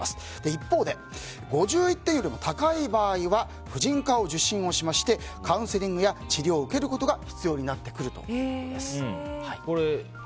一方で、５１点よりも高い場合は婦人科を受診しましてカウンセリングや治療を受けることが必要になってくるということです。